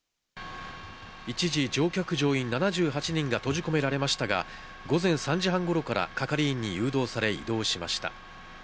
一時、乗客・乗員７８人が閉じ込められましたが、午前３時半頃から係員に誘導され、移動しました。